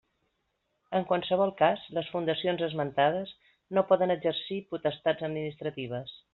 En qualsevol cas, les fundacions esmentades no poden exercir potestats administratives.